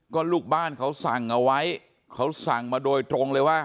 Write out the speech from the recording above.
ก็ลูกบ้านเขาสั่งเอาไว้เขาสั่งมาโดยตรงเลยว่า